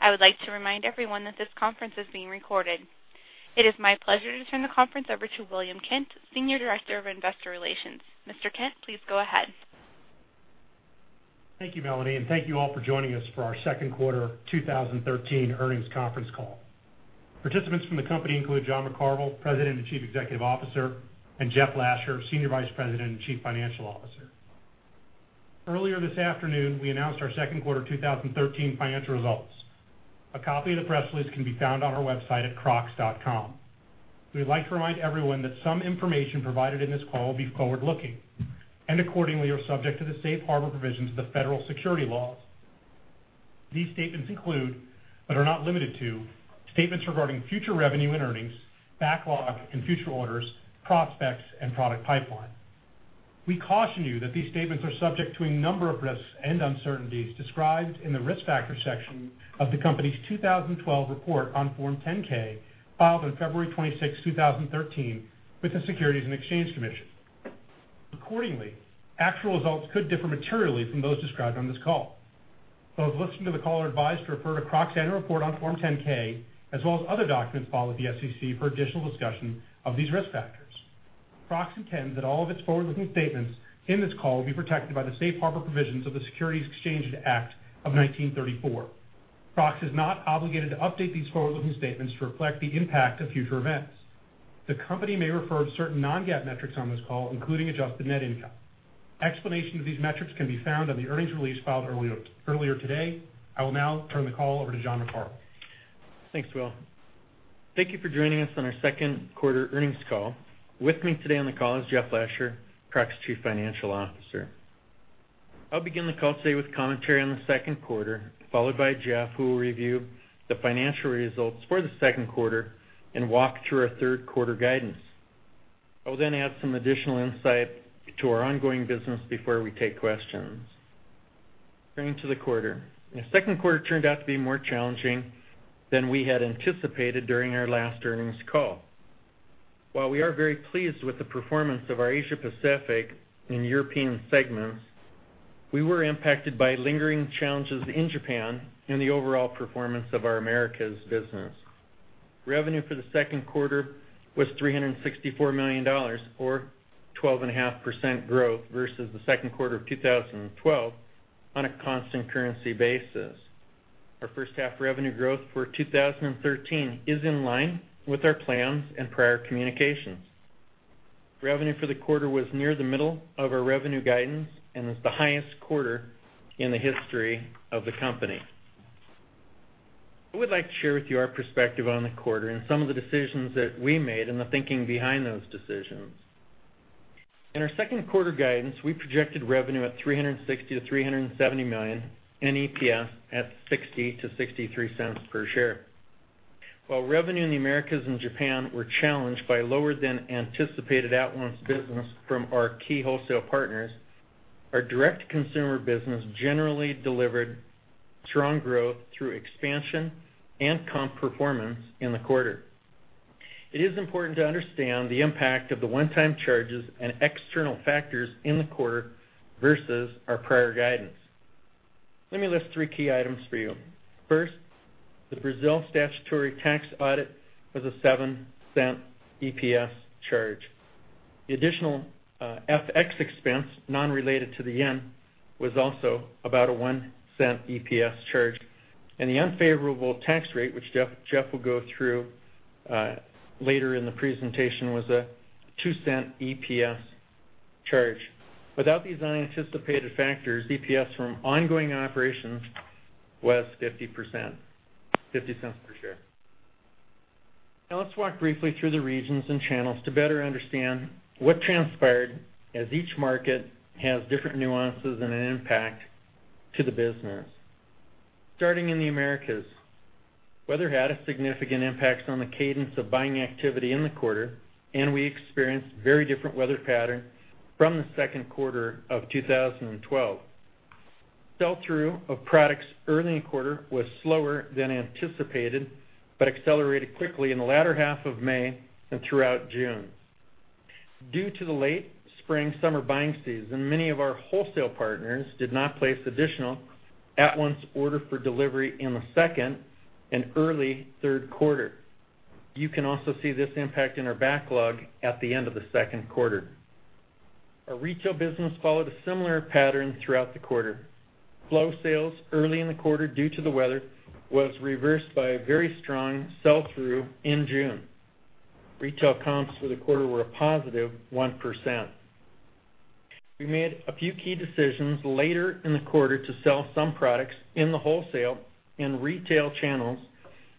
I would like to remind everyone that this conference is being recorded. It is my pleasure to turn the conference over to William Kent, Senior Director of Investor Relations. Mr. Kent, please go ahead. Thank you, Melanie, and thank you all for joining us for our second quarter 2013 earnings conference call. Participants from the company include John McCarvel, President and Chief Executive Officer, and Jeff Lasher, Senior Vice President and Chief Financial Officer. Earlier this afternoon, we announced our second quarter 2013 financial results. A copy of the press release can be found on our website at crocs.com. We would like to remind everyone that some information provided in this call will be forward-looking, and accordingly are subject to the safe harbor provisions of the federal securities laws. These statements include, but are not limited to, statements regarding future revenue and earnings, backlog and future orders, prospects, and product pipeline. We caution you that these statements are subject to a number of risks and uncertainties described in the Risk Factors section of the company's 2012 report on Form 10-K, filed on February 26, 2013, with the Securities and Exchange Commission. Accordingly, actual results could differ materially from those described on this call. Those listening to the call are advised to refer to Crocs' annual report on Form 10-K, as well as other documents filed with the SEC for additional discussion of these risk factors. Crocs intends that all of its forward-looking statements in this call will be protected by the safe harbor provisions of the Securities Exchange Act of 1934. Crocs is not obligated to update these forward-looking statements to reflect the impact of future events. The company may refer to certain non-GAAP metrics on this call, including adjusted net income. Explanation of these metrics can be found on the earnings release filed earlier today. I will now turn the call over to John McCarvel. Thanks, Will. Thank you for joining us on our second quarter earnings call. With me today on the call is Jeff Lasher, Crocs' Chief Financial Officer. I will begin the call today with commentary on the second quarter, followed by Jeff, who will review the financial results for the second quarter and walk through our third quarter guidance. I will add some additional insight to our ongoing business before we take questions. Turning to the quarter. The second quarter turned out to be more challenging than we had anticipated during our last earnings call. While we are very pleased with the performance of our Asia Pacific and European segments, we were impacted by lingering challenges in Japan and the overall performance of our Americas business. Revenue for the second quarter was $364 million, or 12.5% growth versus the second quarter of 2012 on a constant currency basis. Our first half revenue growth for 2013 is in line with our plans and prior communications. Revenue for the quarter was near the middle of our revenue guidance and was the highest quarter in the history of the company. I would like to share with you our perspective on the quarter and some of the decisions that we made and the thinking behind those decisions. In our second quarter guidance, we projected revenue at $360 million-$370 million and EPS at $0.60-$0.63 per share. While revenue in the Americas and Japan were challenged by lower than anticipated at-once business from our key wholesale partners, our direct consumer business generally delivered strong growth through expansion and comp performance in the quarter. It is important to understand the impact of the one-time charges and external factors in the quarter versus our prior guidance. Let me list three key items for you. First, the Brazil statutory tax audit was a $0.07 EPS charge. The additional FX expense, non-related to the yen, was also about a $0.01 EPS charge. The unfavorable tax rate, which Jeff will go through later in the presentation, was a $0.02 EPS charge. Without these unanticipated factors, EPS from ongoing operations was $0.50 per share. Let's walk briefly through the regions and channels to better understand what transpired, as each market has different nuances and an impact to the business. Starting in the Americas. Weather had a significant impact on the cadence of buying activity in the quarter, and we experienced very different weather patterns from the second quarter of 2012. Sell-through of products early in the quarter was slower than anticipated but accelerated quickly in the latter half of May and throughout June. Due to the late spring summer buying season, many of our wholesale partners did not place additional at-once order for delivery in the second and early third quarter. You can also see this impact in our backlog at the end of the second quarter. Our retail business followed a similar pattern throughout the quarter. Slow sales early in the quarter due to the weather was reversed by a very strong sell-through in June. Retail comps for the quarter were a positive 1%. We made a few key decisions later in the quarter to sell some products in the wholesale and retail channels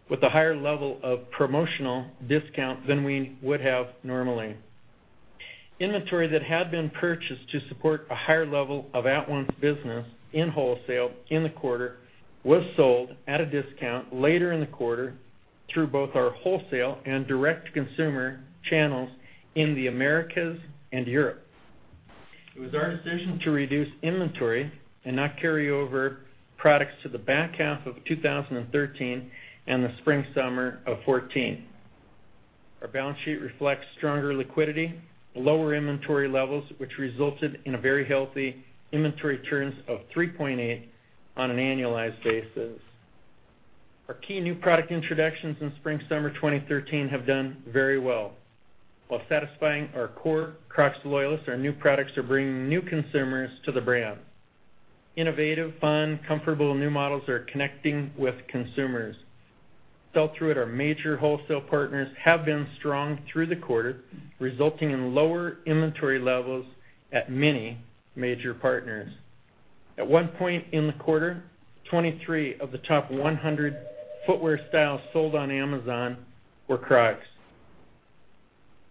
with a higher level of promotional discount than we would have normally. Inventory that had been purchased to support a higher level of at-once business in wholesale in the quarter was sold at a discount later in the quarter through both our wholesale and direct consumer channels in the Americas and Europe. It was our decision to reduce inventory and not carry over products to the back half of 2013 and the spring summer of 2014. Our balance sheet reflects stronger liquidity and lower inventory levels, which resulted in a very healthy inventory turns of 3.8 on an annualized basis. Our key new product introductions in spring-summer 2013 have done very well. While satisfying our core Crocs loyalists, our new products are bringing new consumers to the brand. Innovative, fun, comfortable new models are connecting with consumers. Sell-through at our major wholesale partners have been strong through the quarter, resulting in lower inventory levels at many major partners. At one point in the quarter, 23 of the top 100 footwear styles sold on Amazon were Crocs.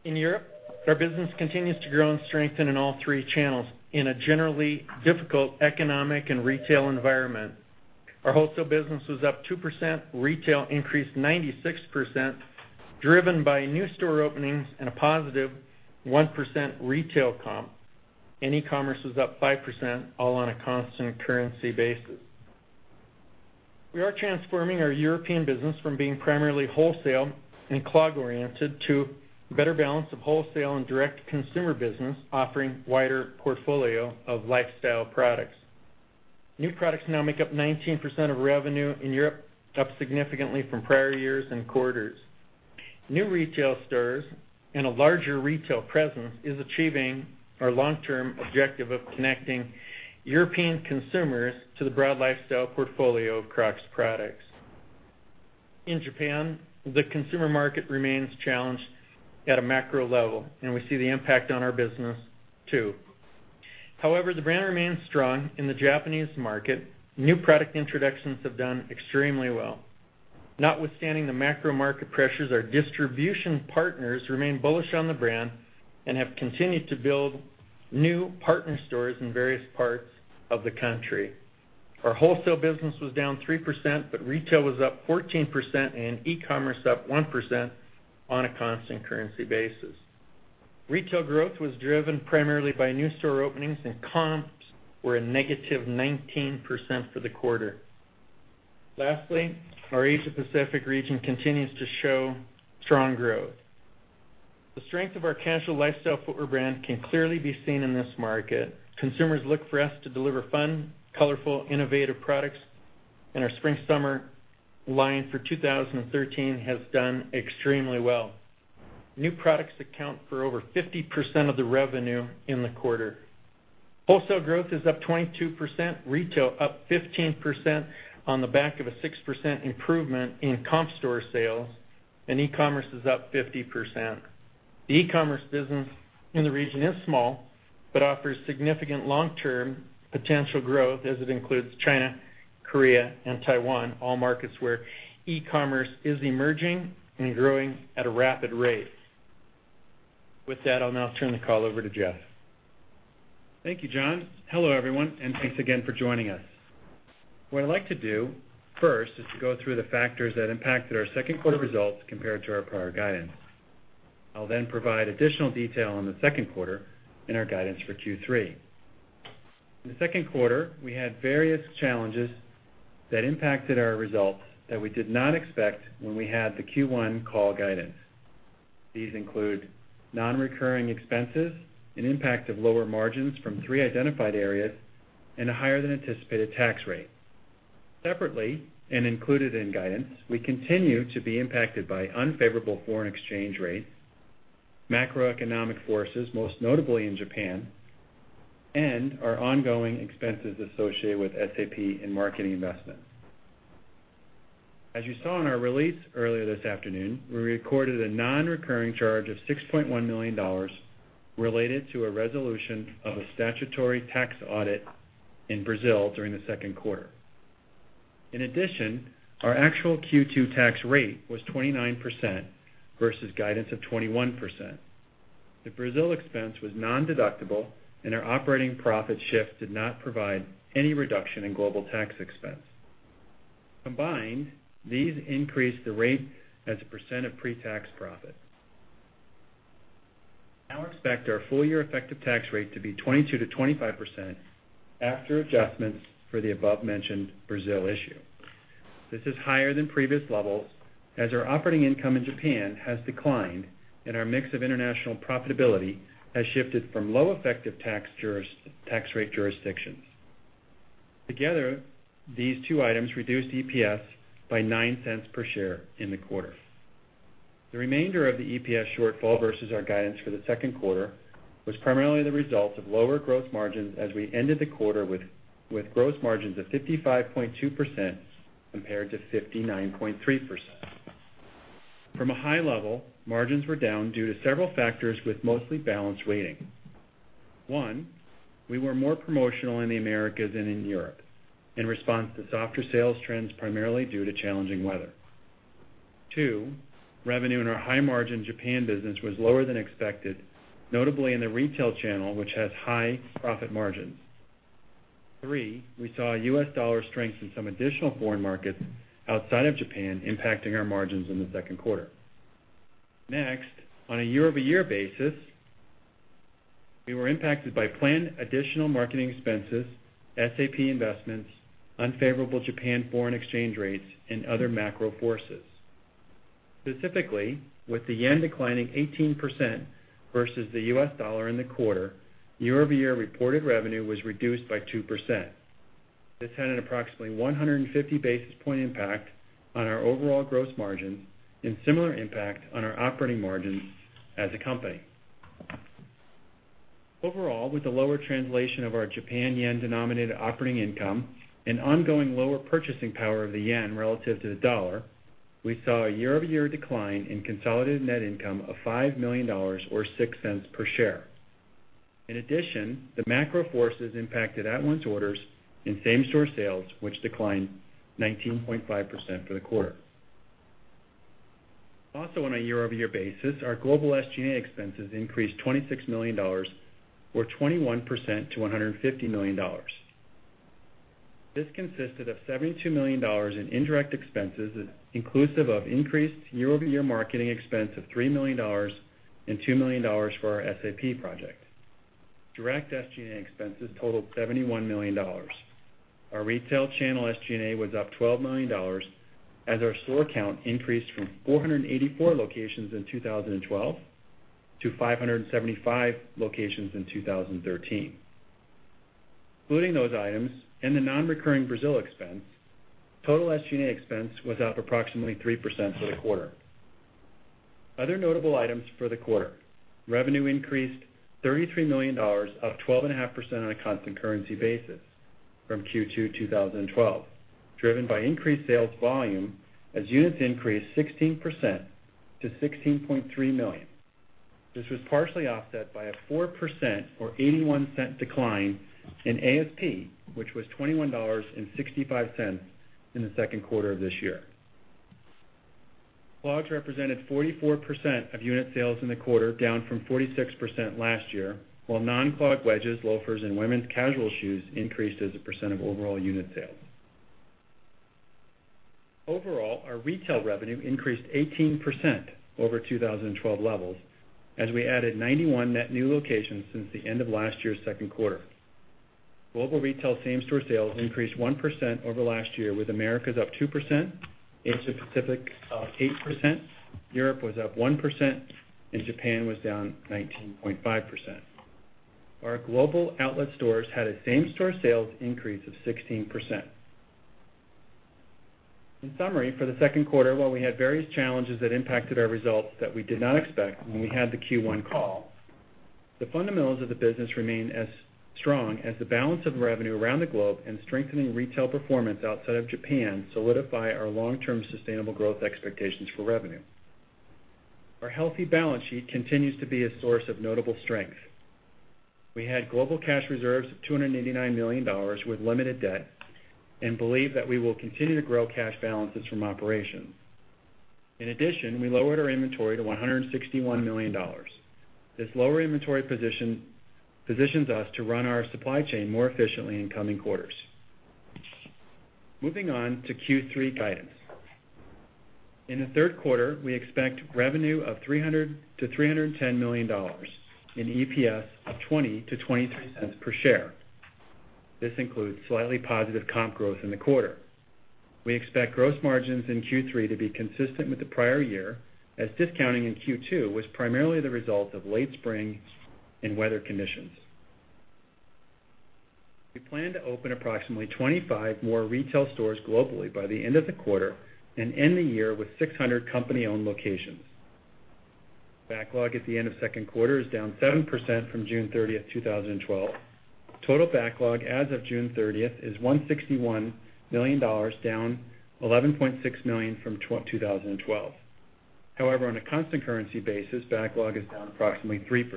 In Europe, our business continues to grow and strengthen in all three channels in a generally difficult economic and retail environment. Our wholesale business was up 2%, retail increased 96%, driven by new store openings and a positive 1% retail comp. E-commerce was up 5%, all on a constant currency basis. We are transforming our European business from being primarily wholesale and clog-oriented to a better balance of wholesale and direct-to-consumer business, offering wider portfolio of lifestyle products. New products now make up 19% of revenue in Europe, up significantly from prior years and quarters. New retail stores and a larger retail presence is achieving our long-term objective of connecting European consumers to the broad lifestyle portfolio of Crocs products. In Japan, the consumer market remains challenged at a macro level. We see the impact on our business, too. However, the brand remains strong in the Japanese market. New product introductions have done extremely well. Notwithstanding the macro market pressures, our distribution partners remain bullish on the brand and have continued to build new partner stores in various parts of the country. Our wholesale business was down 3%. Retail was up 14%, and e-commerce up 1% on a constant currency basis. Retail growth was driven primarily by new store openings. Comps were a negative 19% for the quarter. Lastly, our Asia Pacific region continues to show strong growth. The strength of our casual lifestyle footwear brand can clearly be seen in this market. Consumers look for us to deliver fun, colorful, innovative products. Our spring-summer line for 2013 has done extremely well. New products account for over 50% of the revenue in the quarter. Wholesale growth is up 22%, retail up 15% on the back of a 6% improvement in comp store sales. E-commerce is up 50%. The e-commerce business in the region is small, but offers significant long-term potential growth as it includes China, Korea, and Taiwan, all markets where e-commerce is emerging and growing at a rapid rate. With that, I'll now turn the call over to Jeff. Thank you, John. Hello, everyone, and thanks again for joining us. What I'd like to do first is to go through the factors that impacted our second quarter results compared to our prior guidance. I'll then provide additional detail on the second quarter and our guidance for Q3. In the second quarter, we had various challenges that impacted our results that we did not expect when we had the Q1 call guidance. These include non-recurring expenses and impact of lower margins from three identified areas and a higher than anticipated tax rate. Separately and included in guidance, we continue to be impacted by unfavorable foreign exchange rates, macroeconomic forces, most notably in Japan, and our ongoing expenses associated with SAP and marketing investments. As you saw in our release earlier this afternoon, we recorded a non-recurring charge of $6.1 million related to a resolution of a statutory tax audit in Brazil during the second quarter. In addition, our actual Q2 tax rate was 29% versus guidance of 21%. The Brazil expense was non-deductible, and our operating profit shift did not provide any reduction in global tax expense. Combined, these increased the rate as a percent of pre-tax profit. We now expect our full year effective tax rate to be 22%-25% after adjustments for the above-mentioned Brazil issue. This is higher than previous levels as our operating income in Japan has declined, and our mix of international profitability has shifted from low effective tax rate jurisdictions. Together, these two items reduced EPS by $0.09 per share in the quarter. The remainder of the EPS shortfall versus our guidance for the second quarter was primarily the result of lower gross margins as we ended the quarter with gross margins of 55.2% compared to 59.3%. From a high level, margins were down due to several factors with mostly balanced weighting. One, we were more promotional in the Americas than in Europe in response to softer sales trends, primarily due to challenging weather. Two, revenue in our high-margin Japan business was lower than expected, notably in the retail channel, which has high profit margins. Three, we saw US dollar strength in some additional foreign markets outside of Japan impacting our margins in the second quarter. Next, on a year-over-year basis, we were impacted by planned additional marketing expenses, SAP investments, unfavorable Japan foreign exchange rates, and other macro forces. Specifically, with the yen declining 18% versus the US dollar in the quarter, year-over-year reported revenue was reduced by 2%. This had an approximately 150 basis point impact on our overall gross margins and similar impact on our operating margins as a company. Overall, with the lower translation of our Japan yen-denominated operating income and ongoing lower purchasing power of the yen relative to the dollar, we saw a year-over-year decline in consolidated net income of $5 million or $0.06 per share. In addition, the macro forces impacted at-once orders and same-store sales, which declined 19.5% for the quarter. Also, on a year-over-year basis, our global SG&A expenses increased $26 million or 21% to $150 million. This consisted of $72 million in indirect expenses, inclusive of increased year-over-year marketing expense of $3 million and $2 million for our SAP project. Direct SG&A expenses totaled $71 million. Our retail channel SG&A was up $12 million, as our store count increased from 484 locations in 2012 to 575 locations in 2013. Including those items and the non-recurring Brazil expense, total SG&A expense was up approximately 3% for the quarter. Other notable items for the quarter: revenue increased $33 million, up 12.5% on a constant currency basis from Q2 2012, driven by increased sales volume as units increased 16% to 16.3 million. This was partially offset by a 4% or $0.81 decline in ASP, which was $21.65 in the second quarter of this year. Clogs represented 44% of unit sales in the quarter, down from 46% last year, while non-clog wedges, loafers, and women's casual shoes increased as a percent of overall unit sales. Overall, our retail revenue increased 18% over 2012 levels as we added 91 net new locations since the end of last year's second quarter. Global retail same-store sales increased 1% over last year, with Americas up 2%, Asia Pacific up 8%, Europe was up 1%, and Japan was down 19.5%. Our global outlet stores had a same-store sales increase of 16%. In summary, for the second quarter, while we had various challenges that impacted our results that we did not expect when we had the Q1 call, the fundamentals of the business remain as strong as the balance of revenue around the globe and strengthening retail performance outside of Japan solidify our long-term sustainable growth expectations for revenue. Our healthy balance sheet continues to be a source of notable strength. We had global cash reserves of $289 million with limited debt and believe that we will continue to grow cash balances from operations. In addition, we lowered our inventory to $161 million. This lower inventory positions us to run our supply chain more efficiently in coming quarters. Moving on to Q3 guidance. In the third quarter, we expect revenue of $300 million-$310 million and EPS of $0.20-$0.23 per share. This includes slightly positive comp growth in the quarter. We expect gross margins in Q3 to be consistent with the prior year, as discounting in Q2 was primarily the result of late spring and weather conditions. We plan to open approximately 25 more retail stores globally by the end of the quarter and end the year with 600 company-owned locations. Backlog at the end of the second quarter is down 7% from June 30th, 2012. Total backlog as of June 30th is $161 million, down $11.6 million from 2012. On a constant currency basis, backlog is down approximately 3%.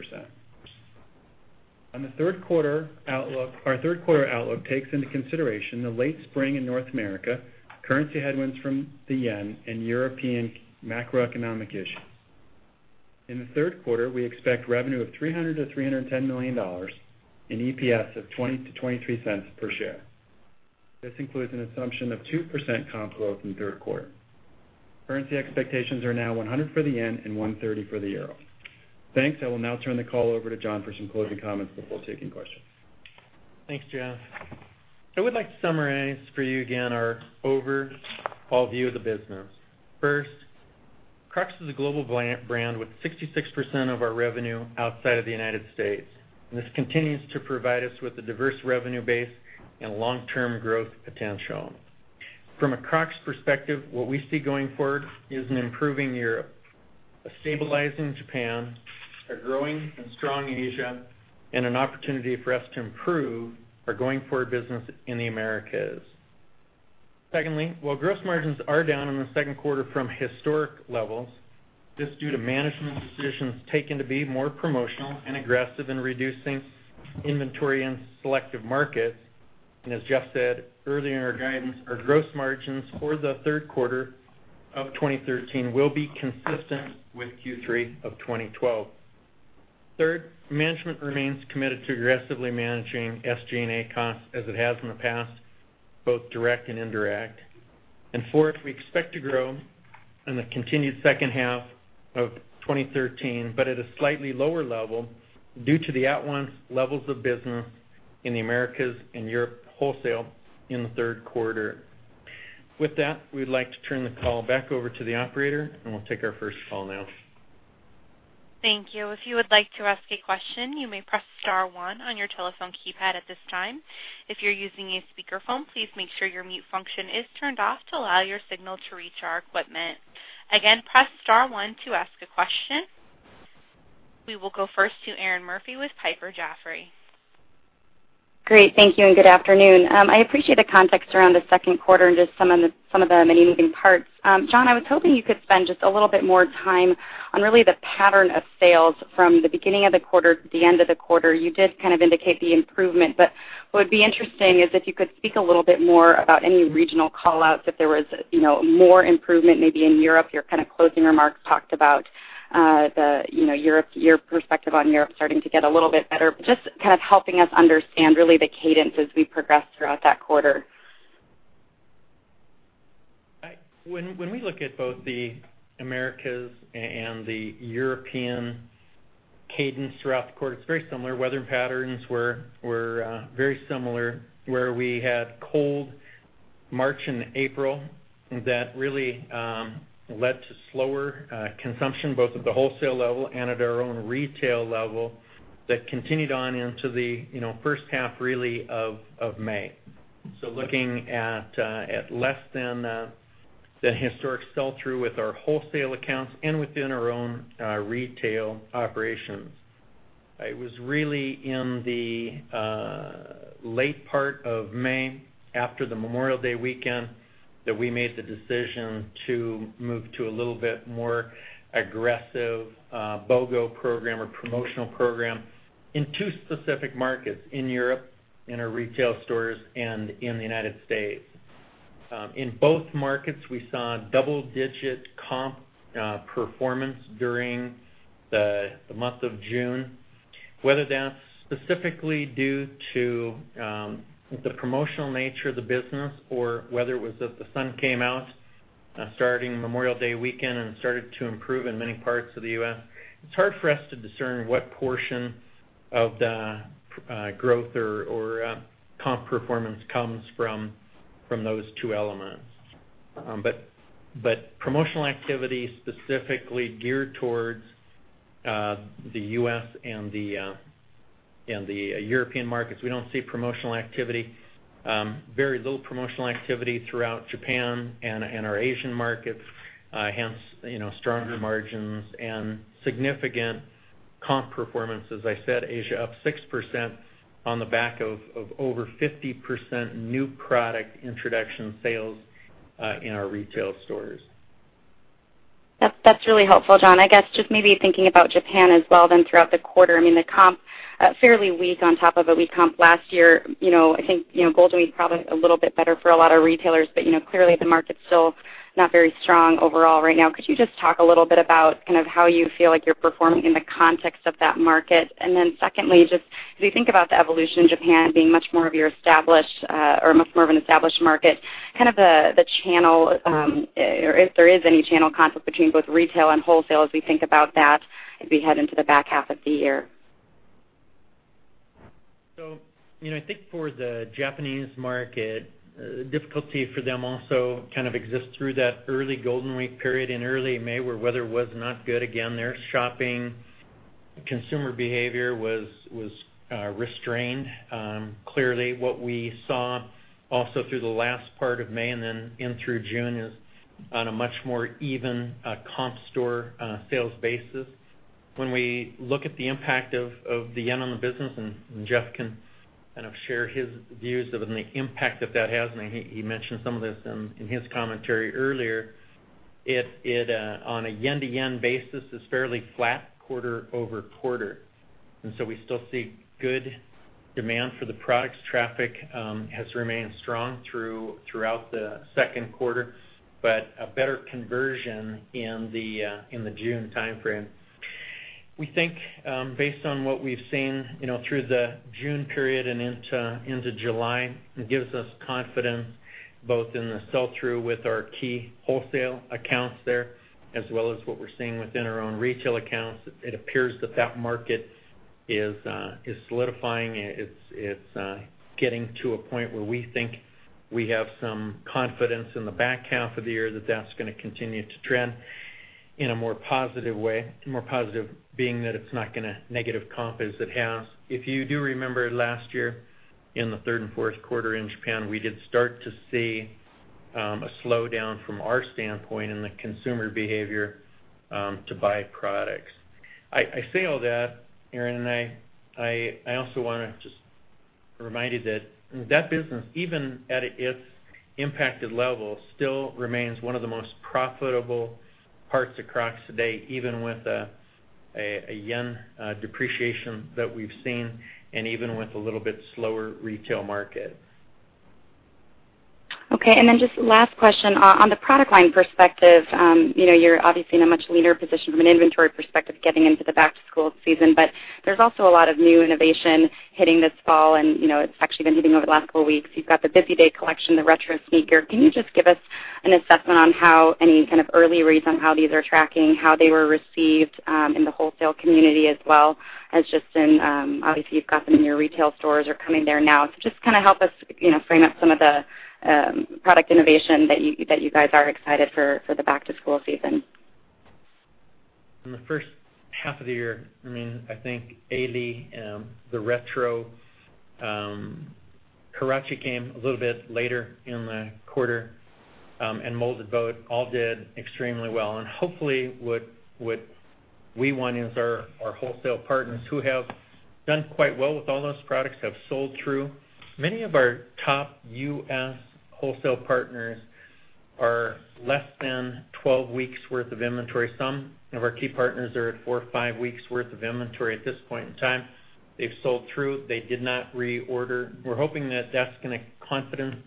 Our third quarter outlook takes into consideration the late spring in North America, currency headwinds from the JPY, and European macroeconomic issues. In the third quarter, we expect revenue of $300 million-$310 million in EPS of $0.20-$0.23 per share. This includes an assumption of 2% comp growth in the third quarter. Currency expectations are now 100 for the JPY and 130 for the EUR. Thanks. I will now turn the call over to John for some closing comments before taking questions. Thanks, Jeff. I would like to summarize for you again our overall view of the business. First, Crocs is a global brand with 66% of our revenue outside of the U.S., this continues to provide us with a diverse revenue base and long-term growth potential. From a Crocs perspective, what we see going forward is an improving Europe, a stabilizing Japan, a growing and strong Asia, and an opportunity for us to improve our going-forward business in the Americas. Secondly, while gross margins are down in the second quarter from historic levels, this is due to management decisions taken to be more promotional and aggressive in reducing inventory in selective markets. As Jeff said earlier in our guidance, our gross margins for the third quarter of 2013 will be consistent with Q3 of 2012. Third, management remains committed to aggressively managing SG&A costs as it has in the past, both direct and indirect. Fourth, we expect to grow the continued second half of 2013, but at a slightly lower level due to the at-once levels of business in the Americas and Europe wholesale in the third quarter. With that, we'd like to turn the call back over to the operator, and we'll take our first call now. Thank you. If you would like to ask a question, you may press star one on your telephone keypad at this time. If you're using a speakerphone, please make sure your mute function is turned off to allow your signal to reach our equipment. Again, press star one to ask a question. We will go first to Erinn Murphy with Piper Sandler. Great. Thank you. Good afternoon. I appreciate the context around the second quarter and just some of the many moving parts. John, I was hoping you could spend just a little bit more time on really the pattern of sales from the beginning of the quarter to the end of the quarter. You did indicate the improvement, what would be interesting is if you could speak a little bit more about any regional call-outs, if there was more improvement, maybe in Europe. Your closing remarks talked about your perspective on Europe starting to get a little bit better. Just helping us understand really the cadence as we progress throughout that quarter. When we look at both the Americas and the European cadence throughout the quarter, it's very similar. Weather patterns were very similar, where we had cold March and April that really led to slower consumption, both at the wholesale level and at our own retail level, that continued on into the first half really of May. Looking at less than the historic sell-through with our wholesale accounts and within our own retail operations. It was really in the late part of May, after the Memorial Day weekend, that we made the decision to move to a little bit more aggressive BOGO program or promotional program in two specific markets, in Europe, in our retail stores, and in the U.S. In both markets, we saw double-digit comp performance during the month of June. Whether that's specifically due to the promotional nature of the business or whether it was that the sun came out starting Memorial Day weekend and started to improve in many parts of the U.S., it's hard for us to discern what portion of the growth or comp performance comes from those two elements. Promotional activity is specifically geared towards the U.S. and the European markets. We don't see promotional activity, very low promotional activity throughout Japan and our Asian markets, hence, stronger margins and significant comp performance. As I said, Asia up 6% on the back of over 50% new product introduction sales in our retail stores. That's really helpful, John. I guess just maybe thinking about Japan as well then throughout the quarter, the comp fairly weak on top of a weak comp last year. I think Golden Week is probably a little bit better for a lot of retailers, but clearly the market's still not very strong overall right now. Could you just talk a little bit about how you feel like you're performing in the context of that market? Then secondly, just as we think about the evolution in Japan being much more of an established market, the channel, or if there is any channel conflict between both retail and wholesale as we think about that as we head into the back half of the year. I think for the Japanese market, difficulty for them also exists through that early Golden Week period in early May where weather was not good. Again, their shopping consumer behavior was restrained. Clearly, what we saw also through the last part of May and then in through June is on a much more even comp store sales basis. When we look at the impact of the yen on the business, and Jeff can share his views of the impact that has, and he mentioned some of this in his commentary earlier, on a yen-to-yen basis, it's fairly flat quarter-over-quarter. We still see good demand for the products. Traffic has remained strong throughout the second quarter, but a better conversion in the June timeframe. We think based on what we've seen through the June period and into July, it gives us confidence both in the sell-through with our key wholesale accounts there, as well as what we're seeing within our own retail accounts. It appears that that market is solidifying. It's getting to a point where we think we have some confidence in the back half of the year that's going to continue to trend in a more positive way, more positive being that it's not going to negative comp as it has. If you do remember last year in the third and fourth quarter in Japan, we did start to see a slowdown from our standpoint in the consumer behavior to buy products. I say all that, Erinn, I also want to just remind you that that business, even at its impacted level, still remains one of the most profitable parts of Crocs today, even with a yen depreciation that we've seen and even with a little bit slower retail market. Okay. Just last question. On the product line perspective, you're obviously in a much leaner position from an inventory perspective getting into the back-to-school season, but there's also a lot of new innovation hitting this fall, and it's actually been hitting over the last four weeks. You've got the Busy Day collection, the Retro sneaker. Can you just give us an assessment on how any kind of early read on how these are tracking, how they were received in the wholesale community as well as just in, obviously, you've got them in your retail stores or coming there now. Just help us frame up some of the product innovation that you guys are excited for the back-to-school season. In the first half of the year, I think A-Leigh, the Retro, Huarache came a little bit later in the quarter, and Molded Boat all did extremely well. Hopefully, what we want is our wholesale partners who have done quite well with all those products, have sold through. Many of our top U.S. wholesale partners are less than 12 weeks worth of inventory. Some of our key partners are at four or five weeks worth of inventory at this point in time. They've sold through. They did not reorder. We're hoping that that's going to confidence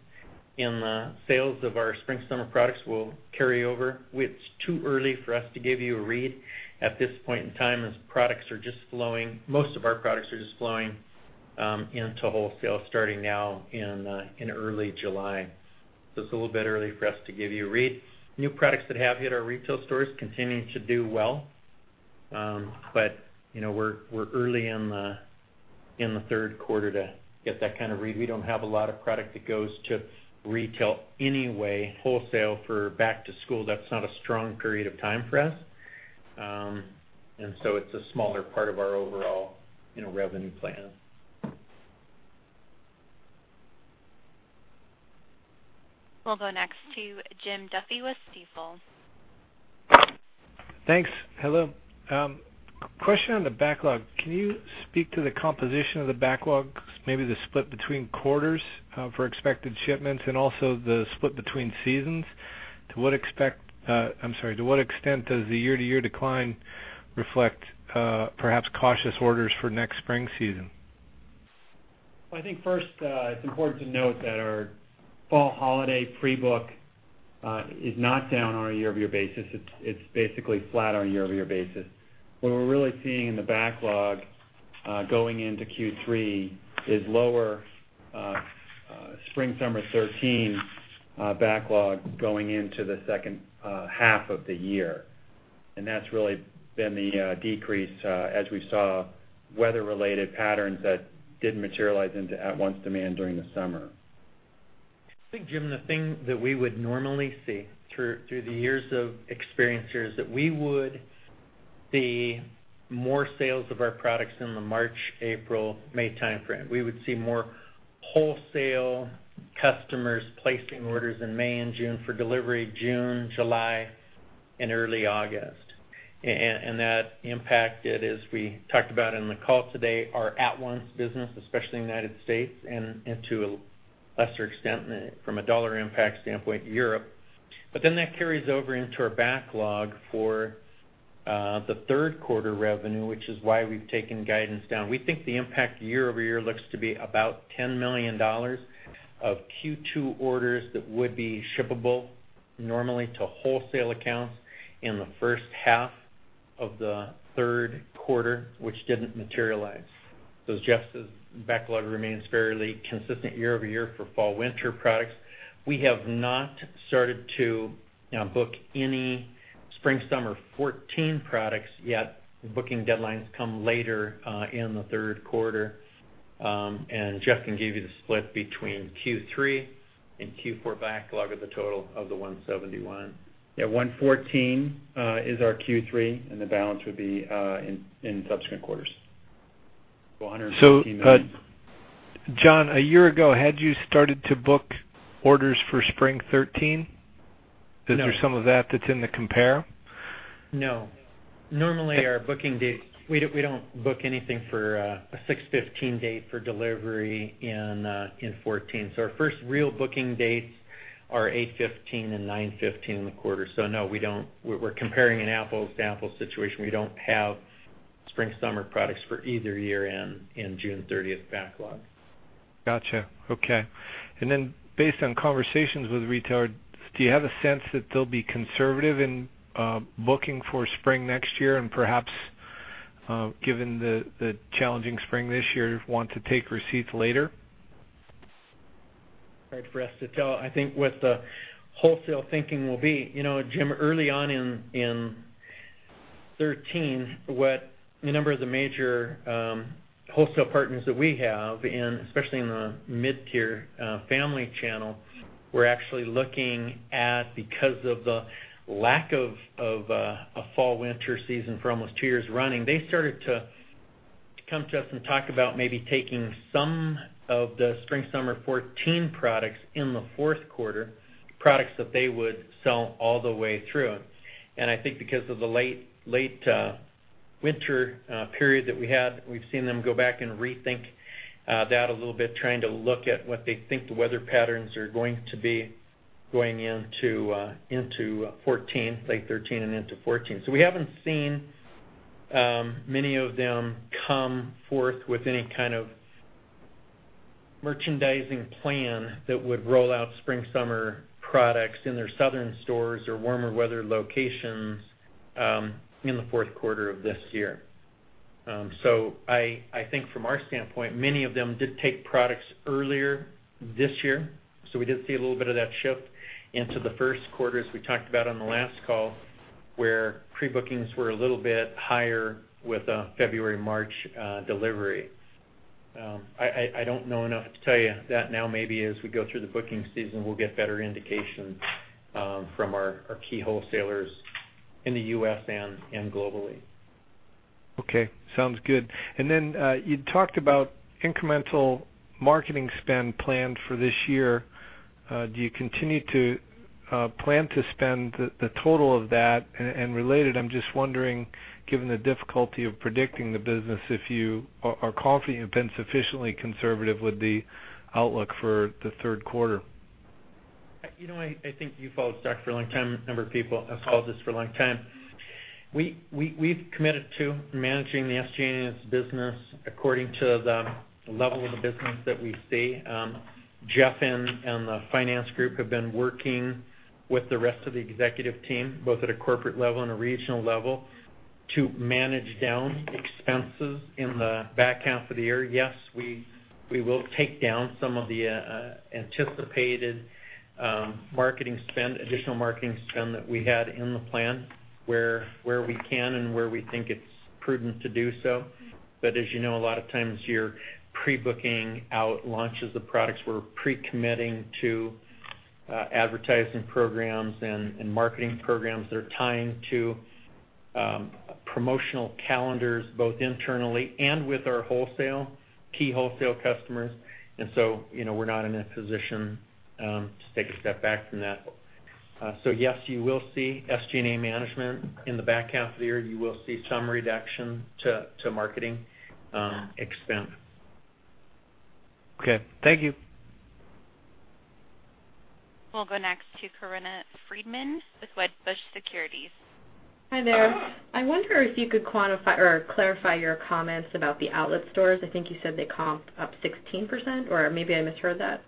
in the sales of our spring/summer products will carry over. It's too early for us to give you a read at this point in time, as products are just flowing. Most of our products are just flowing into wholesale starting now in early July. It's a little bit early for us to give you a read. New products that have hit our retail stores continue to do well. We're early in the third quarter to get that kind of read. We don't have a lot of product that goes to retail anyway, wholesale for back to school. That's not a strong period of time for us. It's a smaller part of our overall revenue plan. We'll go next to Jim Duffy with Stifel. Thanks. Hello. Question on the backlog. Can you speak to the composition of the backlog, maybe the split between quarters for expected shipments and also the split between seasons? To what extent does the year-to-year decline reflect perhaps cautious orders for next spring season? I think first, it's important to note that our fall holiday pre-book is not down on a year-over-year basis. It's basically flat on a year-over-year basis. What we're really seeing in the backlog going into Q3 is lower spring/summer 2013 backlog going into the second half of the year. That's really been the decrease as we saw weather-related patterns that didn't materialize into at-once demand during the summer. I think, Jim, the thing that we would normally see through the years of experience here is that we would see more sales of our products in the March, April, May timeframe. We would see more wholesale customers placing orders in May and June for delivery June, July, and early August. That impacted, as we talked about in the call today, our at-once business, especially in the U.S. and to a lesser extent, from a dollar impact standpoint, Europe. That carries over into our backlog for the third quarter revenue, which is why we've taken guidance down. We think the impact year-over-year looks to be about $10 million of Q2 orders that would be shippable normally to wholesale accounts in the first half of the third quarter, which didn't materialize. As Jeff says, backlog remains fairly consistent year-over-year for fall/winter products. We have not started to book any spring/summer 2014 products yet. The booking deadlines come later in the third quarter. Jeff can give you the split between Q3 and Q4 backlog of the total of the $171. $114 is our Q3, the balance would be in subsequent quarters. John, a year ago, had you started to book orders for spring 2013? No. Is there some of that that's in the compare? No. Normally, our booking date, we don't book anything for a June 15 date for delivery in 2014. Our first real booking dates are August 15 and September 15 in the quarter. No, we're comparing an apples-to-apples situation. We don't have spring/summer products for either year in June 30th backlog. Got you. Okay. Based on conversations with retailers, do you have a sense that they'll be conservative in booking for spring next year and perhaps, given the challenging spring this year, want to take receipts later? Hard for us to tell, I think, what the wholesale thinking will be. Jim, early on in 2013, what a number of the major wholesale partners that we have, and especially in the mid-tier family channel, were actually looking at because of the lack of a fall/winter season for almost two years running, they started to come to us and talk about maybe taking some of the spring/summer 2014 products in the fourth quarter, products that they would sell all the way through. I think because of the late winter period that we had, we've seen them go back and rethink that a little bit, trying to look at what they think the weather patterns are going to be going into late 2013 and into 2014. We haven't seen many of them come forth with any kind of merchandising plan that would roll out spring, summer products in their southern stores or warmer weather locations, in the fourth quarter of this year. I think from our standpoint, many of them did take products earlier this year, so we did see a little bit of that shift into the first quarter, as we talked about on the last call, where pre-bookings were a little bit higher with a February, March delivery. I don't know enough to tell you that now. Maybe as we go through the booking season, we'll get better indication from our key wholesalers in the U.S. and globally. Okay. Sounds good. You talked about incremental marketing spend planned for this year. Do you continue to plan to spend the total of that? Related, I'm just wondering, given the difficulty of predicting the business, if you are confident you've been sufficiently conservative with the outlook for the third quarter? I think you followed Crocs for a long time, a number of people have followed this for a long time. We've committed to managing the SG&A business according to the level of the business that we see. Jeff and the finance group have been working with the rest of the executive team, both at a corporate level and a regional level, to manage down expenses in the back half of the year. Yes, we will take down some of the anticipated marketing spend, additional marketing spend that we had in the plan where we can and where we think it's prudent to do so. As you know, a lot of times you're pre-booking out launches of products. We're pre-committing to advertising programs and marketing programs that are tying to promotional calendars, both internally and with our key wholesale customers. We're not in a position to take a step back from that. Yes, you will see SG&A management in the back half of the year. You will see some reduction to marketing expense. Okay. Thank you. We'll go next to Corinna Freedman with Wedbush Securities. Hi there. I wonder if you could clarify your comments about the outlet stores. I think you said they comp up 16%, or maybe I misheard that.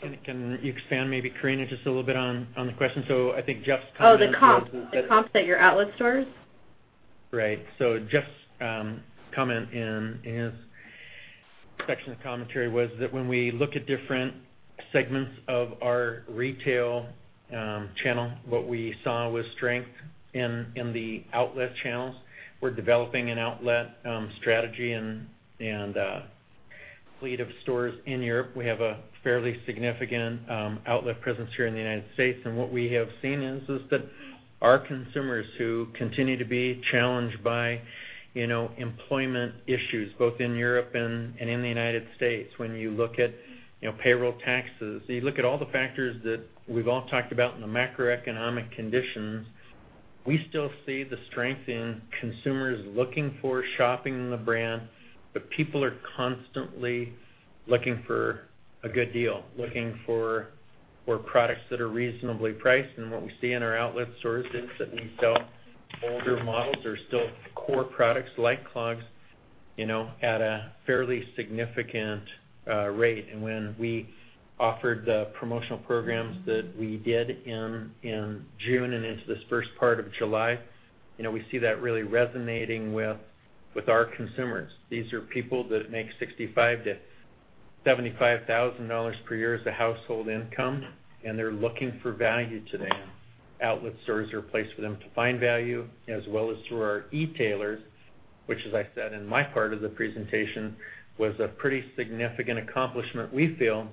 Great. Can you expand maybe, Corinna, just a little bit on the question? The comps at your outlet stores. Right. Jeff's comment in his section of commentary was that when we look at different segments of our retail channel, what we saw was strength in the outlet channels. We're developing an outlet strategy and a fleet of stores in Europe. We have a fairly significant outlet presence here in the U.S. What we have seen is that our consumers who continue to be challenged by employment issues, both in Europe and in the U.S., when you look at payroll taxes, you look at all the factors that we've all talked about in the macroeconomic conditions, we still see the strength in consumers looking for shopping in the brand. People are constantly looking for a good deal, looking for products that are reasonably priced. What we see in our outlet stores is that we sell older models or still core products like clogs, at a fairly significant rate. When we offered the promotional programs that we did in June and into this first part of July, we see that really resonating with our consumers. These are people that make $65,000-$75,000 per year as a household income, and they're looking for value today. Outlet stores are a place for them to find value, as well as through our e-tailers, which, as I said in my part of the presentation, was a pretty significant accomplishment. We feel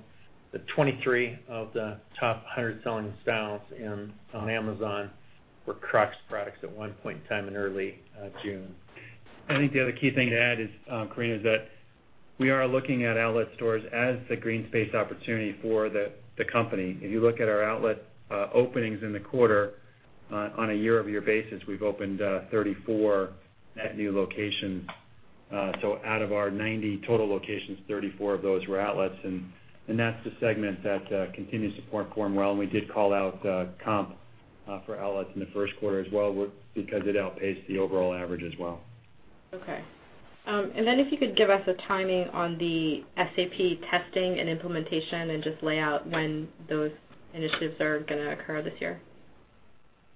that 23 of the top 100 selling styles on Amazon were Crocs products at one point in time in early June. I think the other key thing to add, Corinna, is that we are looking at outlet stores as the green space opportunity for the company. If you look at our outlet openings in the quarter, on a year-over-year basis, we've opened 34 net new locations. Out of our 90 total locations, 34 of those were outlets, and that's the segment that continues to perform well. We did call out comp for outlets in the first quarter as well, because it outpaced the overall average as well. Okay. If you could give us a timing on the SAP testing and implementation and just lay out when those initiatives are going to occur this year.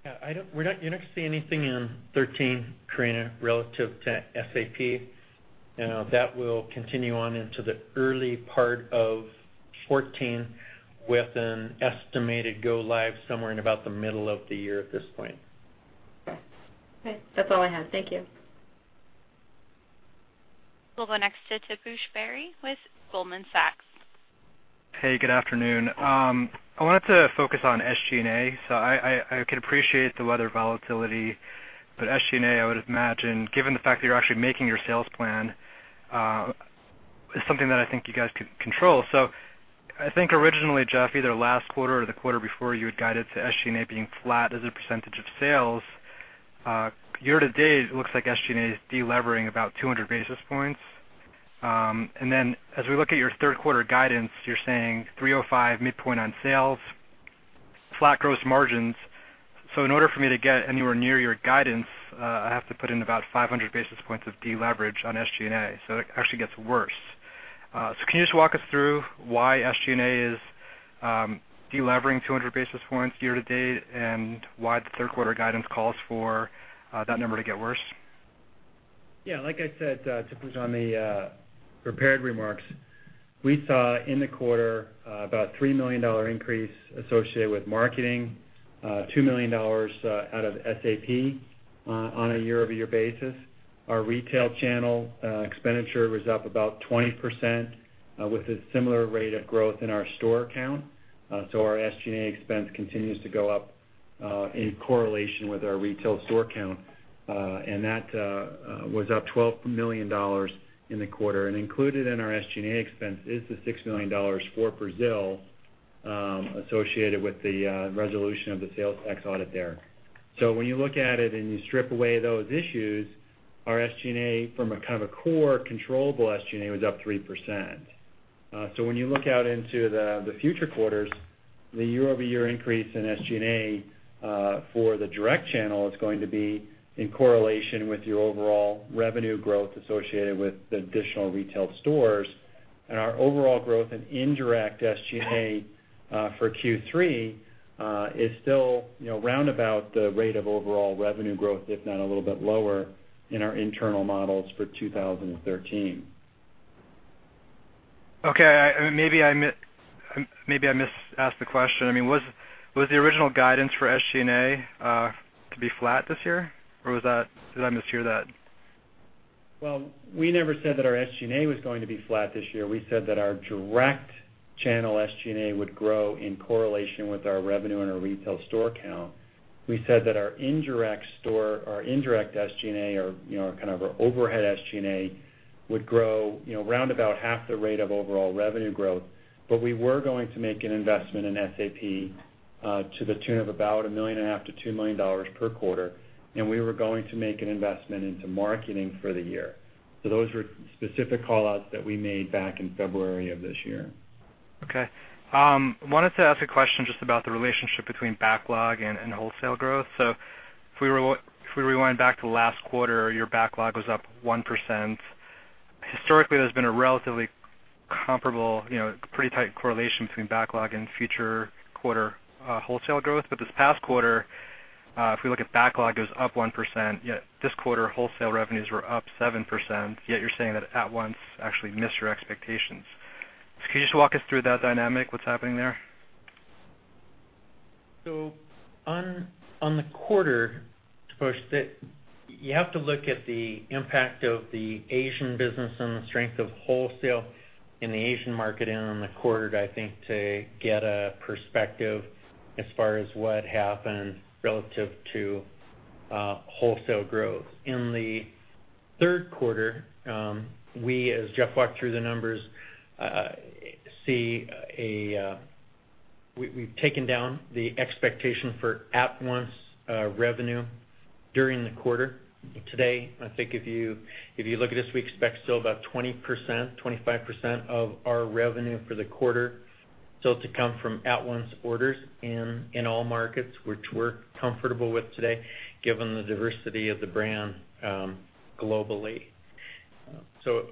You're not going to see anything in 2013, Corinna, relative to SAP. That will continue on into the early part of 2014 with an estimated go live somewhere in about the middle of the year at this point. Okay. That's all I have. Thank you. We'll go next to Taposh Bari with Goldman Sachs. Hey, good afternoon. I wanted to focus on SG&A. I can appreciate the weather volatility, SG&A, I would imagine, given the fact that you're actually making your sales plan, is something that I think you guys could control. I think originally, Jeff, either last quarter or the quarter before, you had guided to SG&A being flat as a percentage of sales. Year-to-date, it looks like SG&A is de-levering about 200 basis points. As we look at your third quarter guidance, you're saying 305 midpoint on sales, flat gross margins. In order for me to get anywhere near your guidance, I have to put in about 500 basis points of de-leverage on SG&A. It actually gets worse. Can you just walk us through why SG&A is de-levering 200 basis points year-to-date, and why the third quarter guidance calls for that number to get worse? Yeah, like I said, Taposh, on the prepared remarks, we saw in the quarter about $3 million increase associated with marketing, $2 million out of SAP on a year-over-year basis. Our retail channel expenditure was up about 20% with a similar rate of growth in our store count. Our SG&A expense continues to go up in correlation with our retail store count. That was up $12 million in the quarter and included in our SG&A expense is the $6 million for Brazil, associated with the resolution of the sales tax audit there. When you look at it and you strip away those issues, our SG&A from a kind of a core controllable SG&A was up 3%. When you look out into the future quarters, the year-over-year increase in SG&A, for the direct channel is going to be in correlation with your overall revenue growth associated with the additional retail stores. Our overall growth in indirect SG&A for Q3, is still round about the rate of overall revenue growth, if not a little bit lower in our internal models for 2013. Okay. Maybe I misasked the question. Was the original guidance for SG&A to be flat this year? Or did I mishear that? Well, we never said that our SG&A was going to be flat this year. We said that our direct channel SG&A would grow in correlation with our revenue and our retail store count. We said that our indirect store, our indirect SG&A, or our kind of our overhead SG&A would grow round about half the rate of overall revenue growth. We were going to make an investment in SAP, to the tune of about a million and a half to $2 million per quarter. We were going to make an investment into marketing for the year. Those were specific call-outs that we made back in February of this year. Okay. I wanted to ask a question just about the relationship between backlog and wholesale growth. If we rewind back to last quarter, your backlog was up 1%. Historically, there's been a relatively comparable, pretty tight correlation between backlog and future quarter wholesale growth. This past quarter, if we look at backlog, it was up 1%, yet this quarter, wholesale revenues were up 7%, yet you're saying that at-once actually missed your expectations. Can you just walk us through that dynamic, what's happening there? On the quarter, first, you have to look at the impact of the Asian business and the strength of wholesale in the Asian market and on the quarter, I think, to get a perspective as far as what happened relative to wholesale growth. In the third quarter, we, as Jeff walked through the numbers, we've taken down the expectation for at-once revenue during the quarter. Today, I think if you look at this, we expect still about 20%-25% of our revenue for the quarter still to come from at-once orders in all markets, which we're comfortable with today given the diversity of the brand globally.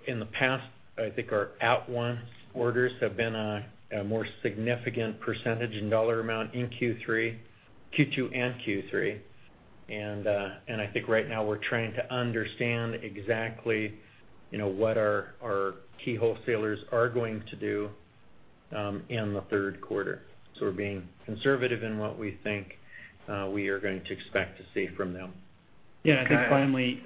In the past, I think our at-once orders have been a more significant percentage in dollar amount in Q2 and Q3. I think right now we're trying to understand exactly what our key wholesalers are going to do in the third quarter. We're being conservative in what we think we are going to expect to see from them. Okay. I think finally,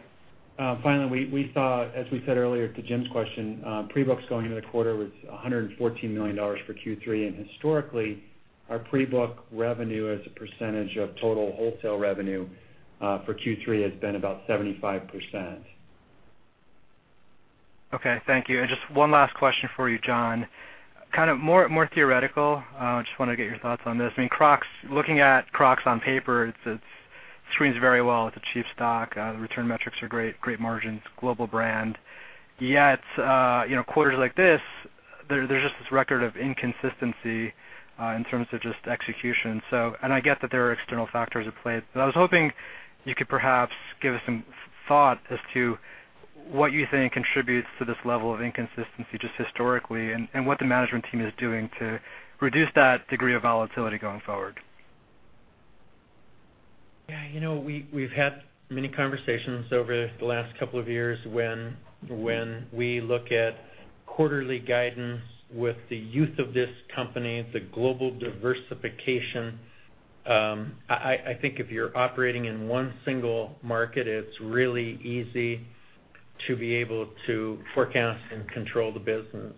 we saw, as we said earlier to Jim's question, pre-books going into the quarter was $114 million for Q3. Historically, our pre-book revenue as a percentage of total wholesale revenue for Q3 has been about 75%. Okay. Thank you. Just one last question for you, John. Kind of more theoretical. Just want to get your thoughts on this. Looking at Crocs on paper, it screens very well. It's a cheap stock. The return metrics are great. Great margins, global brand. Quarters like this, there's just this record of inconsistency in terms of just execution. I get that there are external factors at play, but I was hoping you could perhaps give us some thought as to what you think contributes to this level of inconsistency just historically, and what the management team is doing to reduce that degree of volatility going forward. We've had many conversations over the last couple of years when we look at quarterly guidance with the youth of this company, the global diversification. I think if you're operating in one single market, it's really easy to be able to forecast and control the business.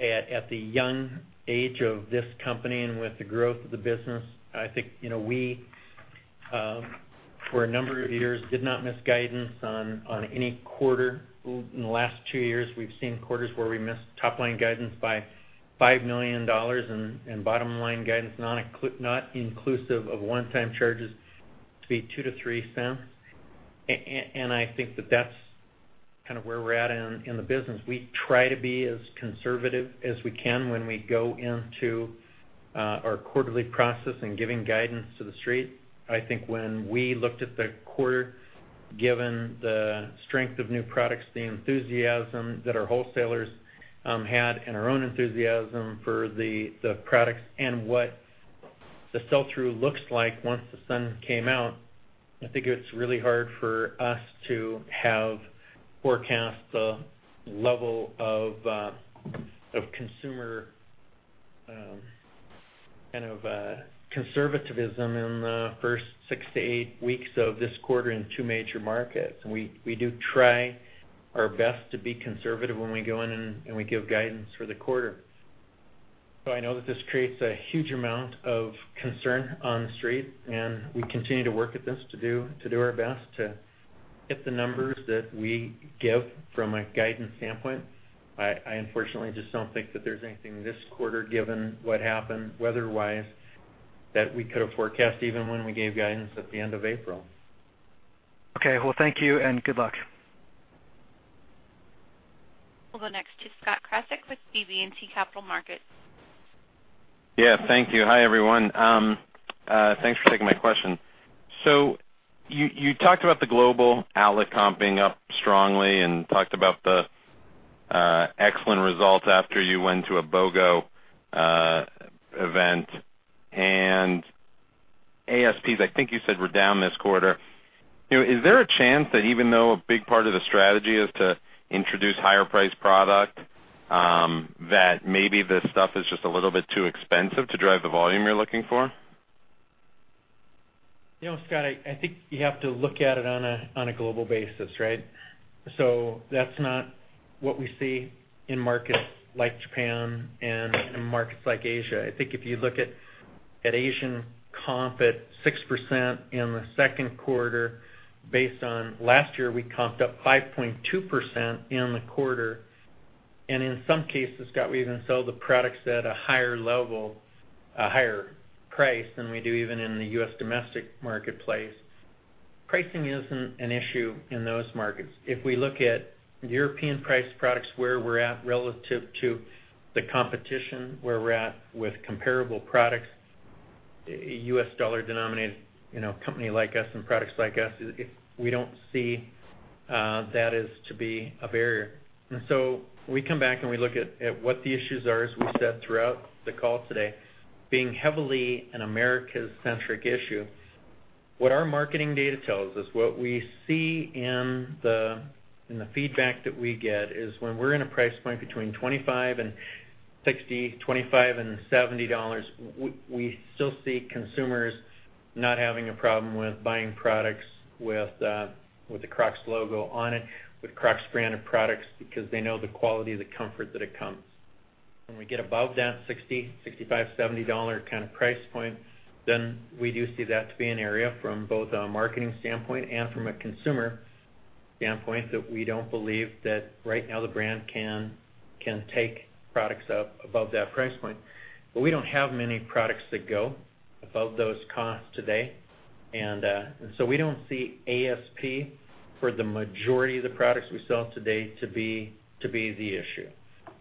At the young age of this company and with the growth of the business, I think, we for a number of years did not miss guidance on any quarter. In the last two years, we've seen quarters where we missed top-line guidance by $5 million and bottom-line guidance, not inclusive of one-time charges to be $0.02-$0.03. kind of where we're at in the business. We try to be as conservative as we can when we go into our quarterly process and giving guidance to the street. I think when we looked at the quarter, given the strength of new products, the enthusiasm that our wholesalers had and our own enthusiasm for the products and what the sell-through looks like once the sun came out, I think it's really hard for us to have forecast the level of consumer conservativism in the first six to eight weeks of this quarter in two major markets. We do try our best to be conservative when we go in and we give guidance for the quarter. I know that this creates a huge amount of concern on the street, and we continue to work at this to do our best to hit the numbers that we give from a guidance standpoint. I unfortunately just don't think that there's anything this quarter, given what happened weather-wise, that we could've forecast even when we gave guidance at the end of April. Okay. Well, thank you and good luck. We'll go next to Scott Krasik with BB&T Capital Markets. Thank you. Hi, everyone. Thanks for taking my question. You talked about the global outlet comping up strongly and talked about the excellent results after you went to a BOGO event. ASPs, I think you said, were down this quarter. Is there a chance that even though a big part of the strategy is to introduce higher priced product, that maybe this stuff is just a little bit too expensive to drive the volume you're looking for? Scott, I think you have to look at it on a global basis, right? That's not what we see in markets like Japan and in markets like Asia. I think if you look at Asian comp at 6% in the second quarter based on last year, we comped up 5.2% in the quarter. In some cases, Scott, we even sell the products at a higher level, a higher price than we do even in the U.S. domestic marketplace. Pricing isn't an issue in those markets. If we look at the European priced products where we're at relative to the competition, where we're at with comparable products, U.S. dollar denominated, company like us and products like us, we don't see that as to be a barrier. We come back and we look at what the issues are, as we said throughout the call today, being heavily an Americas-centric issue. What our marketing data tells us, what we see in the feedback that we get, is when we're in a price point between 25 and $60, 25 and $70, we still see consumers not having a problem with buying products with the Crocs logo on it, with Crocs branded products because they know the quality, the comfort that it comes. When we get above that $60, $65, $70 kind of price point, we do see that to be an area from both a marketing standpoint and from a consumer standpoint, that we don't believe that right now the brand can take products up above that price point. We don't have many products that go above those costs today. We don't see ASP for the majority of the products we sell today to be the issue.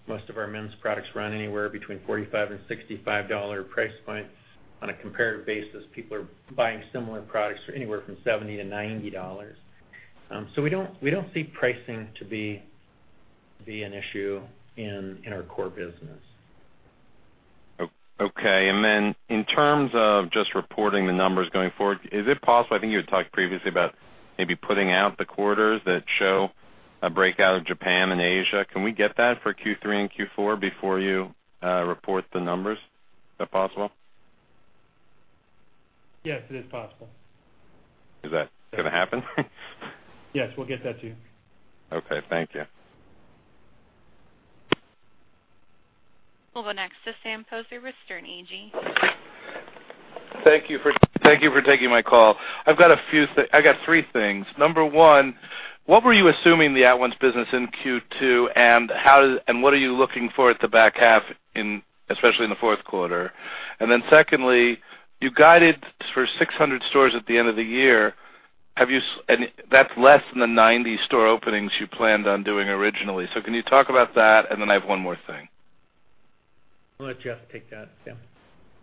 Most of our men's products run anywhere between $45 and $65 price points. On a comparative basis, people are buying similar products for anywhere from $70 to $90. We don't see pricing to be an issue in our core business. Okay. In terms of just reporting the numbers going forward, is it possible, I think you had talked previously about maybe putting out the quarters that show a breakout of Japan and Asia. Can we get that for Q3 and Q4 before you report the numbers? Is that possible? Yes, it is possible. Is that going to happen? Yes, we'll get that to you. Okay. Thank you. We'll go next to Sam Poser with Sterne Agee. Thank you for taking my call. I've got three things. Number one, what were you assuming the At Once business in Q2, and what are you looking for at the back half, especially in the fourth quarter? Secondly, you guided for 600 stores at the end of the year. That's less than the 90 store openings you planned on doing originally. Can you talk about that? I have one more thing. I'll let Jeff take that, Sam.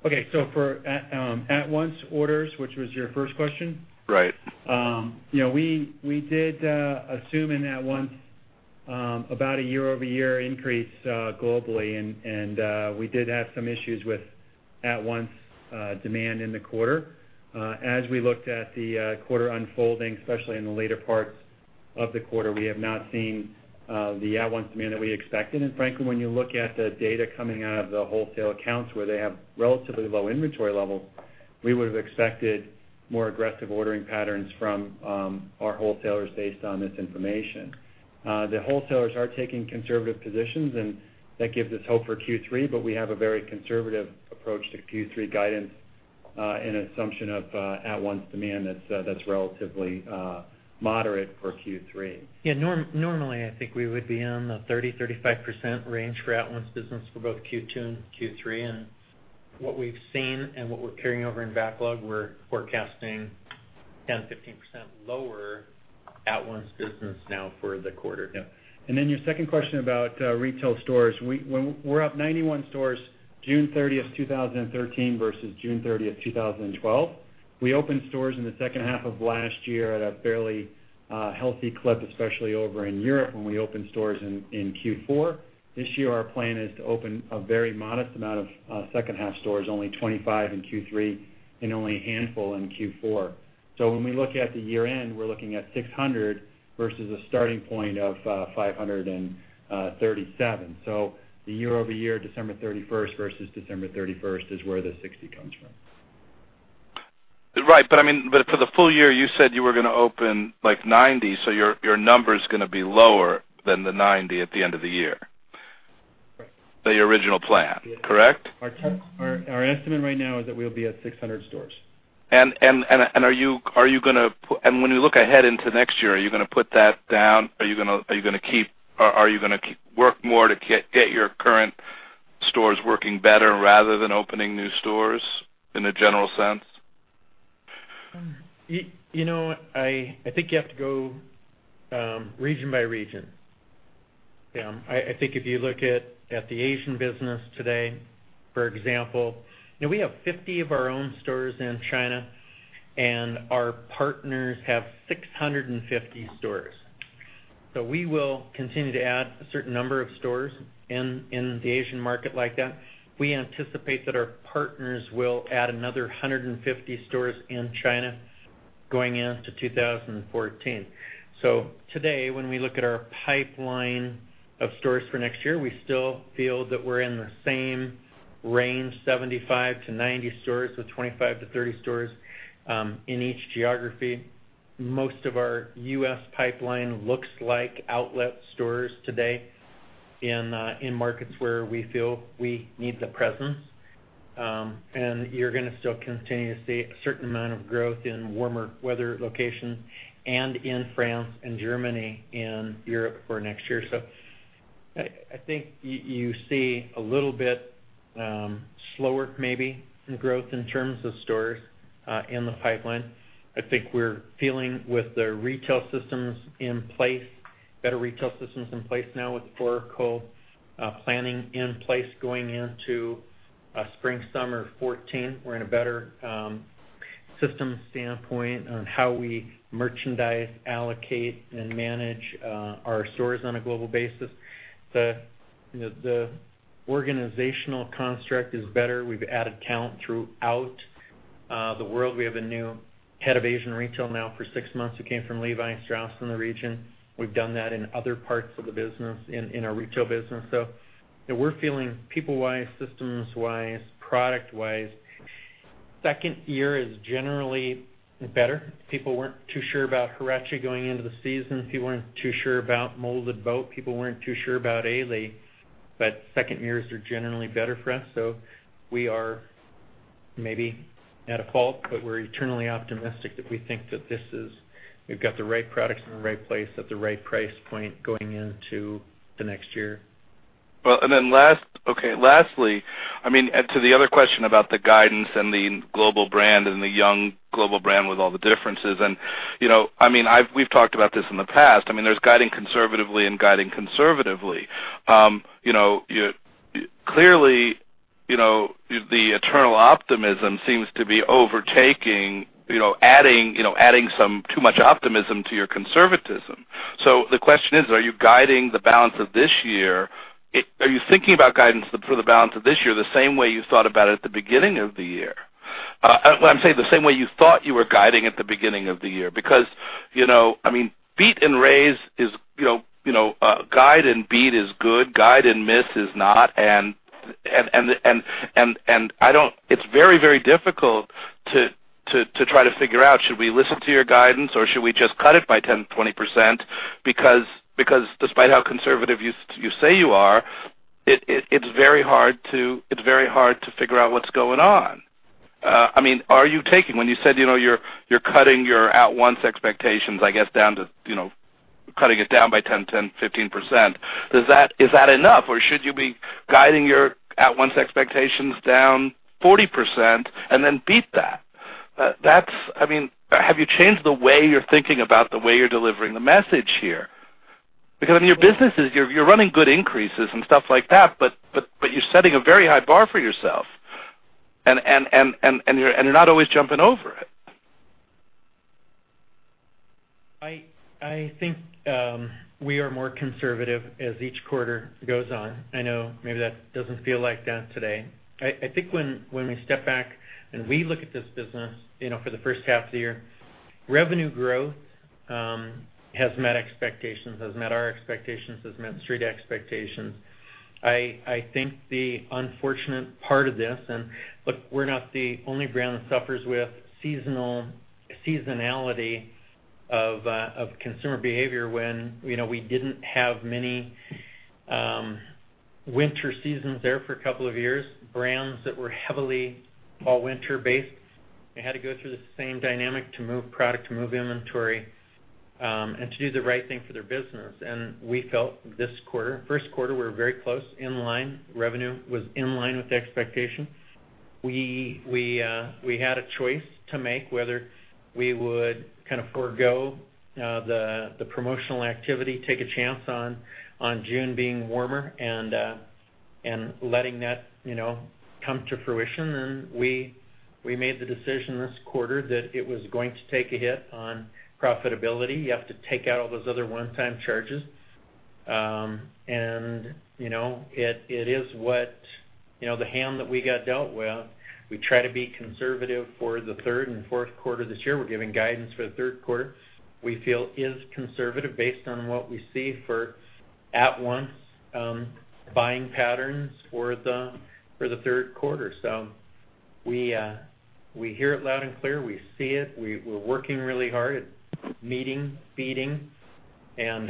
Okay. For At Once orders, which was your first question? Right. We did assume in At Once about a year-over-year increase globally, and we did have some issues with At Once demand in the quarter. As we looked at the quarter unfolding, especially in the later parts of the quarter, we have not seen the At Once demand that we expected. Frankly, when you look at the data coming out of the wholesale accounts where they have relatively low inventory levels, we would've expected more aggressive ordering patterns from our wholesalers based on this information. The wholesalers are taking conservative positions, and that gives us hope for Q3, but we have a very conservative approach to Q3 guidance, and an assumption of At Once demand that's relatively moderate for Q3. Yeah. Normally, I think we would be in the 30%-35% range for At Once business for both Q2 and Q3. What we've seen and what we're carrying over in backlog, we're forecasting down 15% lower At Once business now for the quarter. Your second question about retail stores. We're up 91 stores June 30th, 2013 versus June 30th, 2012. We opened stores in the second half of last year at a fairly healthy clip, especially over in Europe when we opened stores in Q4. This year, our plan is to open a very modest amount of second half stores, only 25 in Q3 and only a handful in Q4. When we look at the year-end, we're looking at 600 versus a starting point of 537. The year-over-year, December 31st versus December 31st is where the 60 comes from. Right. For the full year, you said you were going to open like 90. Your number's going to be lower than the 90 at the end of the year. Right. The original plan. Correct? Our estimate right now is that we'll be at 600 stores. When you look ahead into next year, are you going to put that down? Are you going to work more to get your current stores working better rather than opening new stores in a general sense? I think you have to go region by region. I think if you look at the Asian business today, for example, we have 50 of our own stores in China, and our partners have 650 stores. We will continue to add a certain number of stores in the Asian market like that. We anticipate that our partners will add another 150 stores in China going into 2014. Today, when we look at our pipeline of stores for next year, we still feel that we're in the same range, 75-90 stores. 25-30 stores in each geography. Most of our U.S. pipeline looks like outlet stores today in markets where we feel we need the presence. You're going to still continue to see a certain amount of growth in warmer weather locations and in France and Germany and Europe for next year. I think you see a little bit slower, maybe, in growth in terms of stores in the pipeline. I think we're feeling with the retail systems in place, better retail systems in place now with Oracle planning in place going into spring/summer 2014. We're in a better system standpoint on how we merchandise, allocate, and manage our stores on a global basis. The organizational construct is better. We've added count throughout the world. We have a new head of Asian retail now for six months, who came from Levi Strauss & Co. in the region. We've done that in other parts of the business, in our retail business. We're feeling people-wise, systems-wise, product-wise. Second year is generally better. People weren't too sure about Huarache going into the season. People weren't too sure about molded boat shoes. People weren't too sure about A-Leigh. Second years are generally better for us. We are maybe at a fault, we're eternally optimistic that we think that we've got the right products in the right place at the right price point going into the next year. Lastly, to the other question about the guidance and the global brand and the young global brand with all the differences. We've talked about this in the past. There's guiding conservatively and guiding conservatively. Clearly, the eternal optimism seems to be overtaking, adding too much optimism to your conservatism. The question is, are you thinking about guidance for the balance of this year the same way you thought about it at the beginning of the year? I'm saying the same way you thought you were guiding at the beginning of the year, because guide and beat is good, guide and miss is not. It's very difficult to try to figure out, should we listen to your guidance or should we just cut it by 10%, 20%? Despite how conservative you say you are, it's very hard to figure out what's going on. When you said you're cutting your at once expectations, I guess, cutting it down by 10%, 15%, is that enough? Should you be guiding your at once expectations down 40% and then beat that? Have you changed the way you're thinking about the way you're delivering the message here? In your businesses, you're running good increases and stuff like that, you're setting a very high bar for yourself. You're not always jumping over it. I think we are more conservative as each quarter goes on. I know maybe that doesn't feel like that today. I think when we step back and we look at this business for the first half of the year, revenue growth has met expectations, has met our expectations, has met Street expectations. I think the unfortunate part of this, look, we're not the only brand that suffers with seasonality of consumer behavior when we didn't have many winter seasons there for a couple of years. Brands that were heavily fall/winter-based, they had to go through the same dynamic to move product, to move inventory. To do the right thing for their business. We felt this quarter, first quarter, we're very close, in line. Revenue was in line with the expectation. We had a choice to make, whether we would kind of forego the promotional activity, take a chance on June being warmer and letting that come to fruition. We made the decision this quarter that it was going to take a hit on profitability. You have to take out all those other one-time charges. The hand that we got dealt with, we try to be conservative for the third and fourth quarter this year. We're giving guidance for the third quarter we feel is conservative based on what we see for At Once buying patterns for the third quarter. We hear it loud and clear. We see it. We're working really hard at meeting, beating and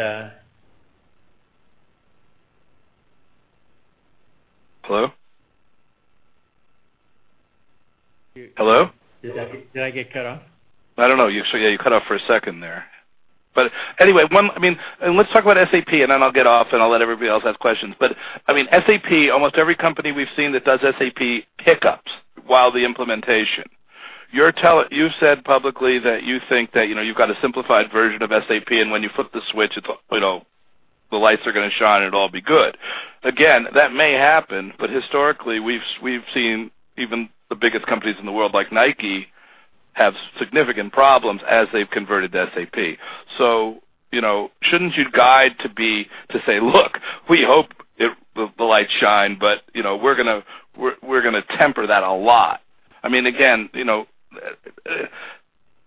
Hello? Hello? Did I get cut off? I don't know. Yeah, you cut off for a second there. Anyway, let's talk about SAP, and then I'll get off and I'll let everybody else ask questions. SAP, almost every company we've seen that does SAP hiccups while the implementation. You've said publicly that you think that you've got a simplified version of SAP, and when you flip the switch, the lights are going to shine, and it'll all be good. Again, that may happen, but historically we've seen even the biggest companies in the world, like Nike, have significant problems as they've converted to SAP. Shouldn't your guide to be to say, "Look, we hope the lights shine, but we're going to temper that a lot." Again,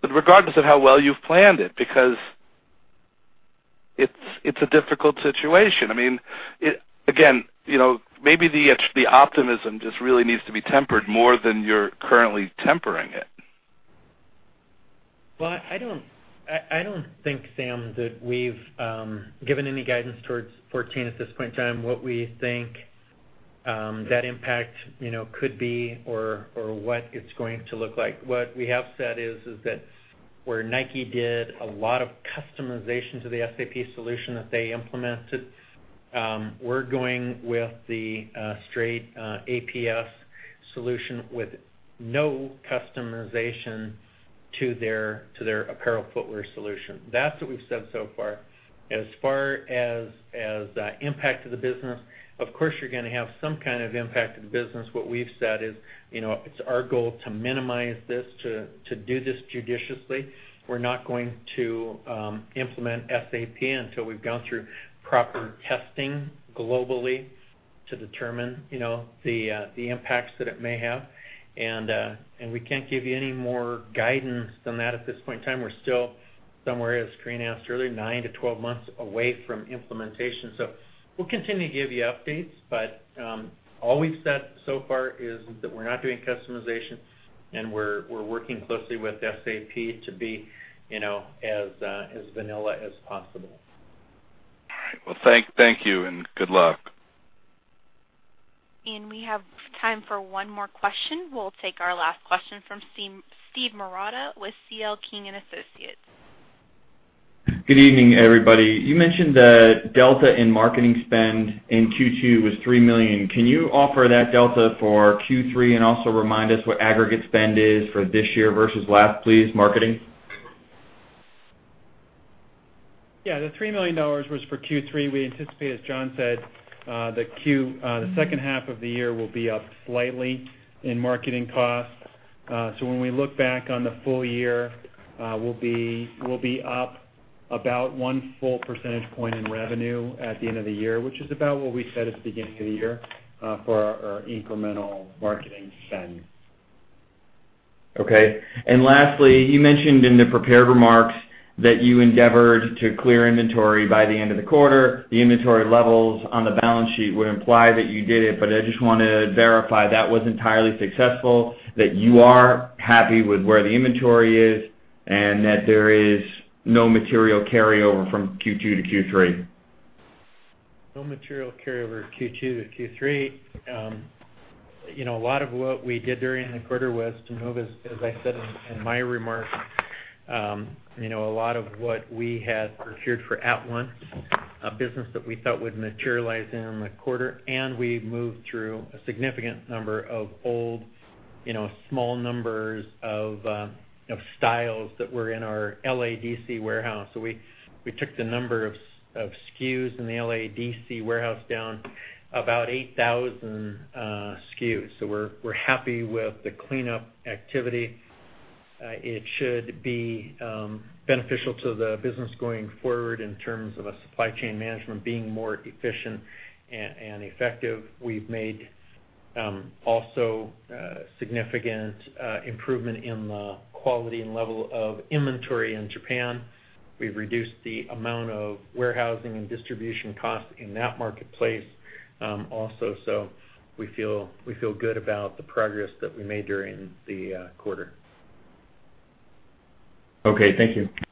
regardless of how well you've planned it, because it's a difficult situation. Again, maybe the optimism just really needs to be tempered more than you're currently tempering it. Well, I don't think, Sam, that we've given any guidance towards 14 at this point in time, what we think that impact could be or what it's going to look like. What we have said is that where Nike did a lot of customization to the SAP solution that they implemented, we're going with the straight AFS solution with no customization to their apparel footwear solution. That's what we've said so far. As far as the impact to the business, of course, you're going to have some kind of impact to the business. What we've said is, it's our goal to minimize this, to do this judiciously. We're not going to implement SAP until we've gone through proper testing globally to determine the impacts that it may have, and we can't give you any more guidance than that at this point in time. We're still somewhere, as Corinna asked earlier, nine to 12 months away from implementation. We'll continue to give you updates, all we've said so far is that we're not doing customization and we're working closely with SAP to be as vanilla as possible. All right. Well, thank you, and good luck. We have time for one more question. We'll take our last question from Steve Marotta with C.L. King & Associates. Good evening, everybody. You mentioned the delta in marketing spend in Q2 was $3 million. Can you offer that delta for Q3 and also remind us what aggregate spend is for this year versus last, please, marketing? Yeah. The $3 million was for Q3. We anticipate, as John said, the second half of the year will be up slightly in marketing costs. When we look back on the full year, we'll be up about one full percentage point in revenue at the end of the year, which is about what we said at the beginning of the year for our incremental marketing spend. Okay. Lastly, you mentioned in the prepared remarks that you endeavored to clear inventory by the end of the quarter. The inventory levels on the balance sheet would imply that you did it, but I just want to verify that was entirely successful, that you are happy with where the inventory is, and that there is no material carryover from Q2 to Q3. No material carryover Q2 to Q3. A lot of what we did during the quarter was to move, as I said in my remarks, a lot of what we had procured for At Once, a business that we thought would materialize in a quarter, and we moved through a significant number of old, small numbers of styles that were in our L.A. D.C. warehouse. We took the number of SKUs in the L.A. D.C. warehouse down about 8,000 SKUs. We're happy with the cleanup activity. It should be beneficial to the business going forward in terms of our supply chain management being more efficient and effective. We've made also a significant improvement in the quality and level of inventory in Japan. We've reduced the amount of warehousing and distribution costs in that marketplace, also. We feel good about the progress that we made during the quarter. Okay. Thank you.